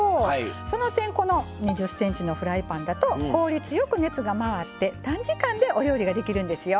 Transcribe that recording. その点この２０ｃｍのフライパンだと効率よく熱が回って短時間でお料理ができるんですよ。